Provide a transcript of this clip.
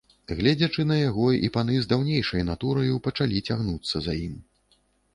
Гледзячы на яго, і паны з даўнейшай натураю пачалі цягнуцца за ім.